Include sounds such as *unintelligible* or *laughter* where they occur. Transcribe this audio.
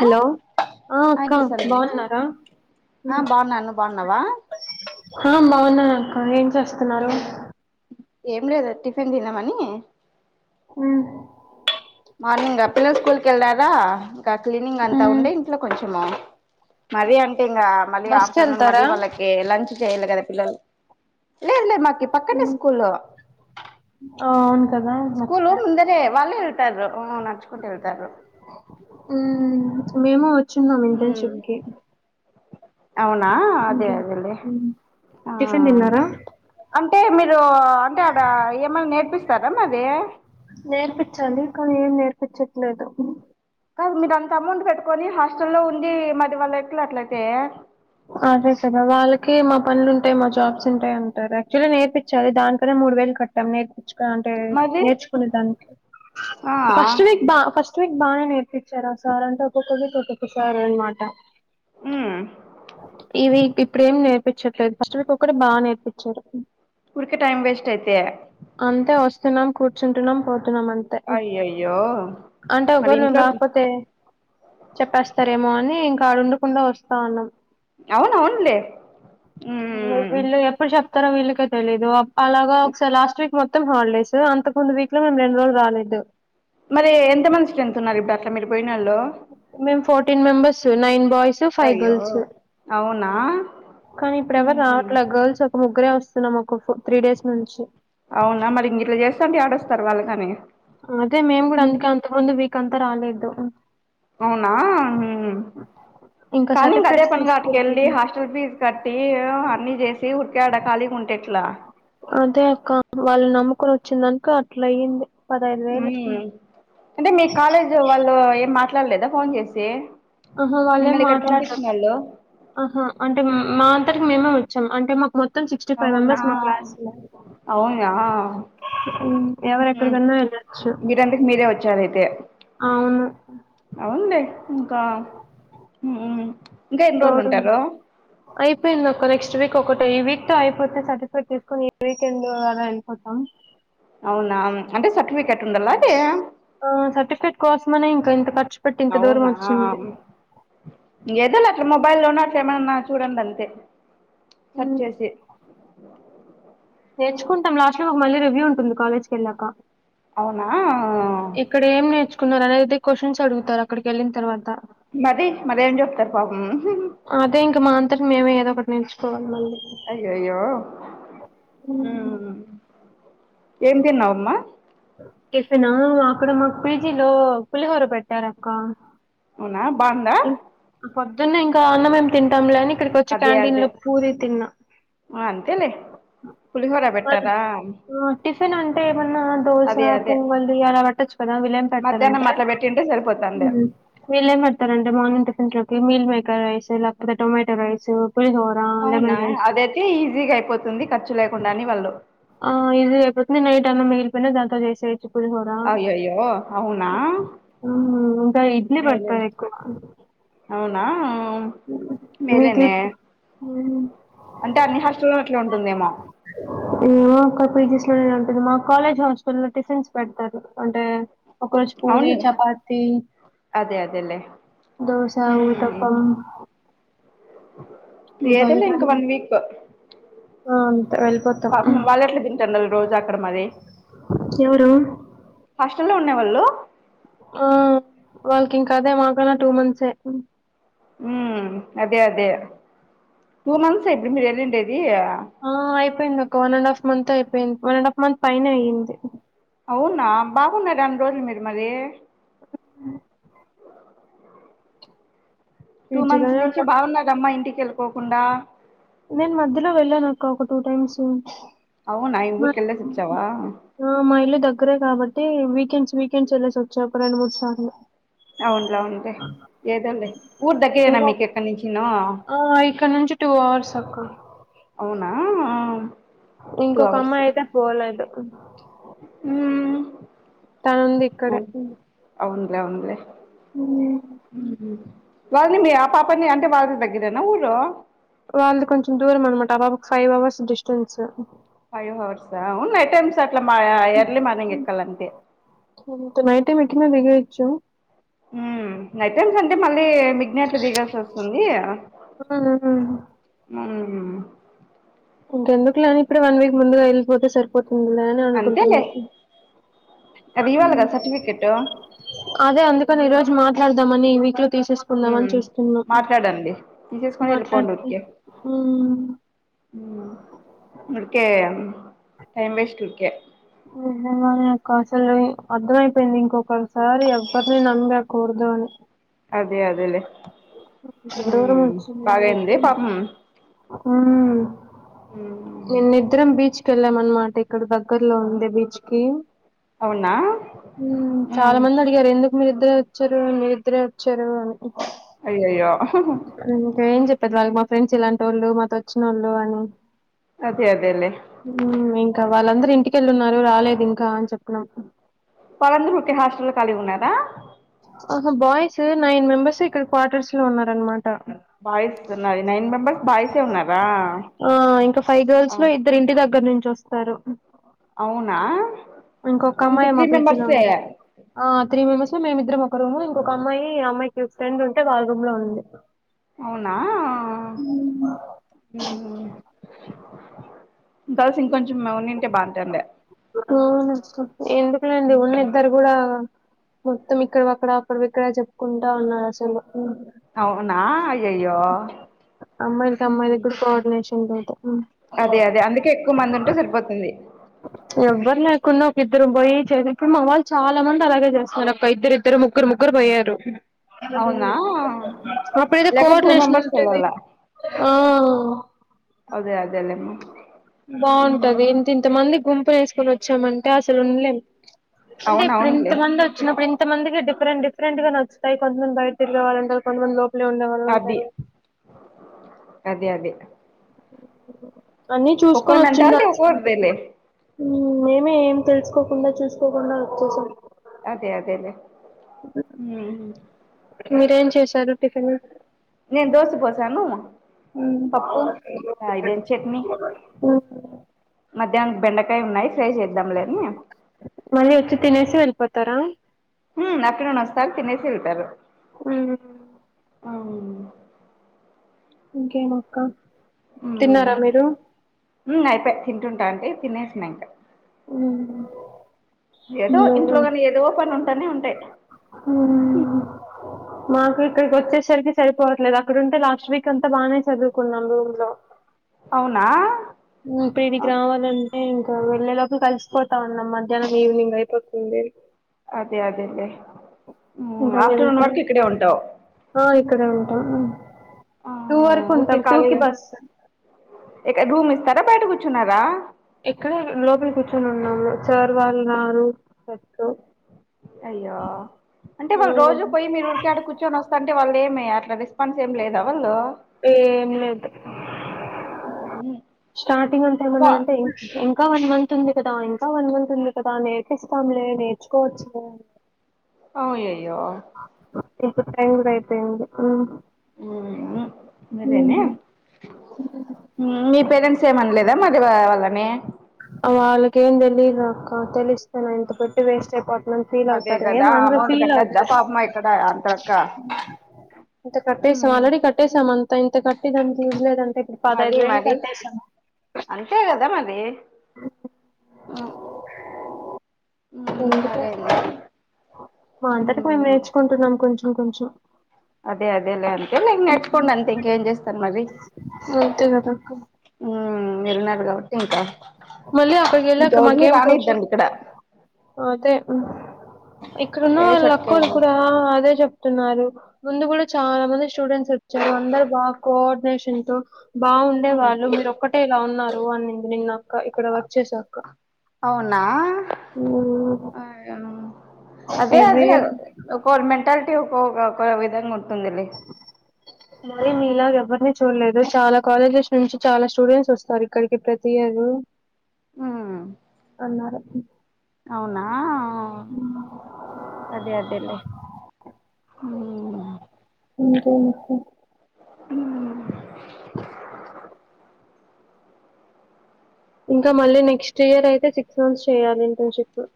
Hello ఆ అక్క వినిపిస్తుందమ్మా బాగున్నారా ఆ ఉమ్. బాగున్నా నువ్ బాగున్నావా ఆ బాగున్నాను అక్క ఏం చేస్తున్నారు ఏం లేదు టిఫిన్ దిన మనీ ఉమ్ మార్నింగ్ పిల్లలు స్కూల్ క వెళ్లారా ఇంకా క్లీనింగ్ అంతా ఉండే ఇంట్లో కొంచెం మరీ అంటే ఇంకా మళ్ళీ బస్కి ఆఫ్టర్నూన్ వెళ్తారా మళ్ళీ వాళ్ళకి లంచ్ చేయల్ల కదా ఇంట్లో లేదు లేదు మాక్ పక్కనే ఉమ్, స్కూల్ ఆ అవును కదా స్కూల్ మర్చిపోయా ముందనే వాళ్ళు ఉమ్ నడుచుకుంటూ వెళ్తారు ఉమ్ మేము వచ్చున్నాం ఇంటర్న్షిప్ కి అవునా అదే ఇంకే, అదేలే ఉమ్. ఆ టిఫిన్ తిన్నారా అంటే మీర్ మీరు అంటే అడ ఏమనా నేర్పిస్తారా మాది పిచ్చట్లేదు కాదు మీరు అంత అమౌంట్ పెట్టుకొని హాస్టల్లో ఉండి మరీ వాళ్ ఎట్లా అట్లయితే అదే సద వాళ్ళక్ కీ మా పనులు ఉంటాయి మా జాబ్స్ ఉంటాయి అంటారు యాక్చువలీ నేర్పించాలి దానికనే మూడు వేలు కట్టాం నేర్ అంటే మళ్ళీ నేర్చుకునే దానికి ఆ ఫస్ట్ వీక్ బా ఫస్ట్ వీక్ బాగానే నేర్పించారా సార్ అంటే ఒక్కొక్కవీక్ ఒక్కొక్క సార్ అనమాట ఉ ఈ వీక్ ఇప్పుడేం నేర్పించట్లేదు ఫస్ట్ వీక్ ఒకటి బాగా నేర్పించారు ఊర్కే టైమ్ వేస్ట్ అయితే తిన్నాం కూర్చంటున్నాం పో న్నాం అంతే అయ్యయ్యో అంటే మరి ఒకరు మేము ఇంట్లో రాకపోతే చెప్పేస్తారేమో అని ఇంకాడుండకుండా వస్తా ఉన్నాం అవును అవునులే త్తరం వీళ్ళకే తెలీదు అలాగా ఒకసారి లాస్ట్ వీక్ మొత్తం హాలిడేస్ అంతకు ముందు వీక్ లో మేము రెండు రోజులు రాలేదు మరి ఎంత మంది స్ట్రెంత్త్ ఉన్నారు ఇప్పుడు అట్లా మీరు పోయినొళ్ళు మేము fourteen members nine boys five అయ్యో గర్ల్స్ అవునా కానీ ఇప్పుడు ఎవరు ఉహు రావట్లే గర్ల్స్ ఒక ముగ్గురే వస్తున్నాము ఒక త్రీ డేస్ నుంచి అవునా మరి ఇం ఇట్లా చేస్తాంటే ఆడస్తారు వాళ్లు కాని కొంత రాలేదు అవునా హు ఇంకా కానీ ఇంగ అదే సర్టిఫికెట్స్ పనగ అటికెళ్ళి తీసుకెళ్ళిపోతున్ హాస్టల్ ఫీజ్ కట్టి ఏవేవో అన్ని చేసి ఉ డకాలిగా ఉంటేె ఎట్లా అదే అక్క వాళ్ళు నమ్ముకొని వచ్చిందనుక అట్ల అయ్యింది పదహైదు ఉమ్ వేలు అంటే మీ కాలేజీ వాళ్ళు ఏం మాట్లాడలేదా ఫోన్ చేసి అహా వాళ్ళేం మిమ్మల్ని ఇక్కడ మాట్లాడర పంపించినోళ్ళు ఆహా అంటే మా అంతరికి మేమే అంటే మాకు మొత్తం సిక్స్టీ ఫైవ్ అవునా మెంబర్స్ మా క్లాస్లో అవునా ఉ ఎవరు ఉహు ఎక్కడికన్నా వెళ్ళచ్చు మీరంతకు మీరే అవును అవున్లే ఇంకాఉ ఇంకా ఎన్ని రోజులు తోడు ఉంటారు అయిపోయింది అక్క నెక్స్ట్ వీక్ ఒకటి ఈ వీక్ తో అయిపోతే సర్టిఫికేట్ తీసుకుని ఈ వీకెండ్ అలా వెళ్ళిపోతాం అవునా అంటే సర్టిఫికెట్ ఉండాలా అది ఆ సర్టిఫికెట్ కోసమని అవునా ఎదలా మొబైల్లో అ ఏమన్నా చూడండి అంతే సర్చ్ ఉమ్ చేసి నేర్చుకుంటాం లాస్ట్ లో ఒక మళ్ళీ రివ్యూ ఉంటుంది కాలేజ్ కి వెళ్లాక అవునా ఆ ఇక్కడ ఏం నేర్చుకున్నారు అనేది క్యూస్షన్స్ అడుగుతారు అక్కడికి వెళ్ళిన తర్వాత మది మరి ఏం చెప్తారు పాపం అదే ఇంక మా అంతట మేమే ఏదో ఒకటి నేర్చుకోవాలి మళ్ళీ అయ్యయ్యో ఉ హ్మ్. ఏం తిన్నావమ్మా టిఫనా అక్కడ మాకు పిజీలో పులిహోర పెట్టారక్క ఆ బాంద హ్మ్. పొద్దున్నే ఇంకా అన్నమేం తింటాం లేని ఇక్కడికి వచ్చి క్యాంటీన్ లో పూరి తిన్నా ఆ అంతేలే పులిహోర పెట్టరా టిఫన్ అంటే ఏమన్నా దోస పొంగలు ఇయలా పెట్టచ్చ కదా విలేం మధ్యాహ్నం పెడతారంటే అట్లా పెట్టింటే సరిపోతుంది విలేం పె అంటే మార్నింగ్ టిఫెంట్ లోకి మీల్ మేకర్ రైస్ లేకపోతే టొమాటో రైస్ పులిహోర, అవునా లెమన్ రైస్ అదైతే ఈజీగా అయిపోతుంది ఖర్చు లేకుండా అని వాళ్ళు ఆ ఇది ఐపోతుంది నైట్ అన్నం మిగిలిపోయిన దాంతో చేసే అయ్యయ్యో అవునా ఉ ఇంకా ఇడ్లీ మేలే పెర్తారు ఎక్కువ అవునా మేలె వీక్లీ నే హ్మ్. అంటే అన్ని హాస్టల్లో అట్లా ఉంటుందేమో పీజీస్ లోనే ఉంటంది మా కాలేజ్ హాస్టల్ లో టిషన్స్ పెడతారు ఒక రోజు పూరి అవునులే చపాతి అదే అదేలే దోస ఊతప్పం ఇంకోది ఏదోలే కానీ వన్ వీక్ ఆ! అంతే వెళ్ళిపోతాం. పాపం ఉమ్. వాళ్ళ ఎట్ల తింటారు రోజు అక్కడ మరి ఎవరు *unintelligible* ఆ వాళ్ళకి ఇంక అదే మాకన్న టూ మంత్సే ఉ అదే అదే టూ మంత్స్ ఇప్పుడు మీరు వెల్లిండేది ఆ అయిపోయింది ఒక వన్ అండ్ హాఫ్ మంత్ అయిపోయింది వన్ అండ్ హాఫ్ మంత్ పైన అయింది అవునా బాగున్నారే అన్ని రోజులు మీరు మరి టూ మంత్స్ పీజీలోనే నుంచి ఉన్నా. బాగున్నారమ్మా ఇంటికి వెళ్ళిపోకుండా నేను మధ్యలో వెళ్ళాను అక్క ఒక టూ టైమ్స్ అవునా ఈ ఊరికి వెళ్ళేసి వచ్చావా మా ఇల్లు దగ్గరే కాబ అంటే వీకెండ్స్ వీకెండ్స్ వెళ్లేసి వచ్చాయి ఒక రెండు మూడు సార్లు అవునులే అవునులే ఏదోలో ఊరు దగ్గరేనా ఇంకో మీకుక్కడి నుంచి ను టు అవర్స్ అక్క ఆ ఇంకొక అమ్మాయి అయితే పోలేదు తనుంది ఊ ఇక్కడే. హ్మ్. వాళ్ళది మీ ఆ పాపని అంటే వాళ్ళ దగ్గరేనా ఊరు వాళ్ళు కొంచెం దూరం అనమాట వాళ్లు five hours distance five hours అవును ఎయి టైమ్స్ అట్లా ఎర్లీ మార్నింగ్ ఎక్కాలంతే *unintelligible* *unintelligible* *unintelligible* అంటే మళ్ళీ విజ్ఞత దిగాసి వస్తుంది హ్మ్. హ్మ్. ఇంకెందుకులేని ఇప్పుడే వన్ వీక్ ముందుగా వెళ్లిపోతే సరిపోతుందిలే అని అనుకుంటుంది అంతేలే అది ఇవ్వాలి కదా సర్టిఫికెట్ అదే అందుకని ఈరోజు మాట్లాడదామని ఈ వీక్ లో ఉమ్, తీసేసుకుందాంని చూస్తున్న మాట్లాడండి తీసేసుకొని మాట్లాతే ఉరికే టైమ్ వేస్ట్ ఉరికే *unintelligible* అకాశలు అర్థమయిపోయింది ఇంకొకసారి ఎవ్వరిని నమ్మకూడదు అని అదే అదేలే ఇంత దూరం *unintelligible* ఉ ఉమ్, నిన్నిద్దరం బీచ్ కెళ్ళాం అనమాట ఇక్కడ దగ్గర్లోనే ఉండే బీచ్ కి అవునా చాలా ఉమ్, మంది అడిగారు ఎం మీరిద్దరే వచ్చారు మీరిదరే వచ్చారు అ అయయ్యో ఇంకా *unintelligible* మా ఫ్రెండ్స్ ఇలాంటి వాళ్ళు మాతో వచ్చిన వాళ్ళు అని అదే అదేలే ఇంకా వాళ్ళందరు ఇంటికెళ్ళున్నారు రాలే ఇంకా అని చెప్పిన్నం వాళ్ళందరూ ఒకే హాస్టల్ కలిగి ఉన్నర ఆహ బాయ్స్ నైన్ మెంబెర్స్ ఇక్కడ క్వార్టర్స్ లో ఉన్నారనమాట బాయ్స్ ఉన్నది నైన్ మెంబెర్స్ బాయ్సే ఉన్నారా ఆ ఇంకా ఫైవ్ గర్ల్స్లో ఇద్దరు ఇంటి దగ్గర నుంచి వస్తారు అవునా ఇంకొక ఇంకా అమ్మాయి మా త్రీ పీజీలో మెంబర్సే ఉంది ఆ త్రీ మెంబర్స్ మేమిద్దరం ఒక రూమ్ ఇంకొక అమ్మాయి అమ్మాయికి ఒక ఫ్రెండ్ ఉంటే వాళ్ళ రూమ్ లో ఉంది అవునా మ్ గర్ల్స్ ఇంకొంచెం మ ఉనింటే బావుంటుండే అవును అక్క ఎందుకులేండి ఉన్న ఇద్దరు కూడా మొత్తం ఇక్కడవి అక్కడ అక్కడవి ఇక్కడ చెప్పుకుంటా ఉన్నారు అసలు అవునా అయ్యయ్యో అమ్మాయిలకి అమ్మాయిలకి కూడ కోఆర్డినేషన్ లేదు ఉమ్. అదే అదే అందుకే ఎక్కువ మంది ఉంటే సరిపోతుంది ఎవ్వరు లేకుండా ఒక ఇద్దరు పోయి చేస ఇప్పుడు మామ్ వాళ్ళు చాలామంది అలాగే చేస్తున్నారు అక్క ఇద్దరు ఇద్దరు ము ముగ్గురు ముగ్గురు పోయారు అవునా అప్పుడు అయితే లేక టూ కోఆర్డినేషన్ మెంబర్స్ ఉండేది. వెళ్ళాల అదే అదేలేమ్మ బావుంటది ఇంత ఇంత మంది గుంపు వేసుకొని వచ్చామంటే అసలు ఉండలేము అంటే అవును ఇప్పుడు ఇంత అవునులే మంది వచ్చినప్పుడు ఇ కొంతమంది డిఫరెంట్ డిరెంట్గా నచ్చతాయ్ కొంతమంది బయట తిరిగేవాళ్లు ఉంటరు కొంతమంది లో ఇంట్లో ఉండే వాళ్ళు అది ఉంటారు అదే అదే అన్ని ఒక్కో చూసుకొని వచ్చి మెంటాలిటీ ఉండాల్సింది. ఒక్కోరిదిలే మేమే ఏం తెలుసుకోకుండా చూసుకోకుండా వచ్చేసం అదే అదేలే మ్ మీరేం చేశారు టిఫిన్ నేను దోశ పోసాను పప్పు అ ఇదేం ఇ చట్నీ మ బెండకాయ ఉన్నాయి ఫ్రై చే మళ్ళీ వచ్చి తినేసి వెళ్ళిపోతారా హ అక్కడ నస్తారు తినేసి వేళ్తారు మ్ అవును ఇంకేమక్క తిన్నారా మీరు మ్ అయిపోయి తింటుంటంటే తినేసిన ఇంక మ్మ్ ఏదో ఇంట్లో కానీ ఏదో పని ఉంటానే ఉంటాయి మ్ మాకు ఇక్కడికి వచ్చేసరికి సరిపోవట్లేదు అక్కడంటే లాస్ట్ వీక్ అంతా బాగానే చదువుకున్నాం రూమ్లో అవునా మ్ పిడికి రావాలనే ఇంకా వెళ్ళేలోకి కలిసిపోతాం అన్నాం మధ్యాహ్నం ఈవినింగ్ అయిపోతుంది. అదే అదేలే ఇంకా ఆఫ్టర్నూన్ వెళ్తా వరకు ఇక్కడే ఉంటావు ఆ ఇక్కడే టూ వరకు ఉంటాం టూ కి బస్ ఇక్కడ రూమ్ ఇస్తారా బయట కూర్చున్నారా ఇక్కడ లోపల కూర్చొని ఉన్నాము సార్ వాళ్ళ రూమ్ ఇస్తారు. అయ్యో అంటే వాళ్ళు రోజు పోయి మీరు ఉరికీ ఆడ కూర్చొన పెద్దవాళ్ళు ఏమ అట్లా రెస్పాన్స్ ఏం లేద వాళ్ళు ఏం లేదు స్టార్టింగ్ అంతా అబ్బా ఏమన్నాదంటే ఇంకా వన్ మంత్ ఉంది కదా ఇంకా వన్ మంత్ ఉంది కదా నేర్పిస్తాంలే నేర్చుకోవచ్చులే అయ్యయ్యో ఇప్పుడు టైం కూడా ఐపోయింది ఉ అదేనే. ఊ పేరెంట్స్ ఏమనలేదా మరి వాళ్ళని అ అలాకేం తెలిదు అక్క తెలిసు అదే అవుతారు ఏం కదా అనరు అమౌంట్ ఫీల్ కట్టద్దా అవుతారు పాపం ఇక్కడ అంత లెక్క *inaudible* ఇంక కట్టేసాం ఆల్రెడీ కట్టేసాం అంతా ఇంత కట్టి దానికి యూజ్లేదంటే ఇప్పుడు మరి పదహైదు వేలు మరి కట్టేసాం అంతే కదా మరి ఆ అందుకే మా అంతట మేము నేర్చుకుంటున్నాం కొంచం కొంచెం అదే అదేలే అంతేలే ఇంగ నేర్చుకొండి అంతే ఇంక ఏం చేస్తాం మరి ఒక అక్క మీరున్నారు గా మళ్ళీ అక్కడికి ఎళ్లాక మాకేం పరిచయం రానిద్దండి ఇక్కడ తే ఇక్కడున్న వేరే అక్కోలు చోటుకెళ్ళాము కూడా అదే చెప్త న్నారు ముందు కూడా చాలా మంది స్టూడెంట్స్ వచ్చారు అందరు బాగా కోఆర్డినేషన్ తో బాగుండే వాళ్ళు మీరు ఒక్కటే ఇలా ఉన్నారు అని న్నాక ఇక్కడ వర్క్ చేసాక అక్క అవునా ఊ... అదే అదే ఒక్కోరి మెంటాలిటీ ఒక క విధంగా ఉంట మరి మిలాగా ఎవ్వరూ అ చూడలేదు చాలా కాలేజెస్ నుంచి చాలా స్టూడెంట్స్ వస్తారు. ఇక్కడికి ప్రతి ఇయరు హుమ్ ఎన్ ఆర్ ఐ అదే అదేలే *inaudible* అంతే మొత్తం హుమ్ ఇంకా మళ్ళీ నెక్స్ట్ ఇయర్ అయితే సిక్స్ మంత్స్ చెయాలి ఇంటర్న్షిప్